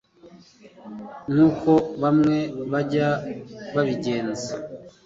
nkuko bamwe bajya babigenza